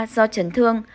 bốn do chấn thương